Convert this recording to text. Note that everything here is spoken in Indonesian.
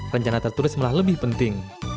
rencana tertulis malah lebih penting